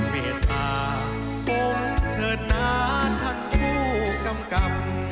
เมธาผมเธอนานทันภูมิกำกับ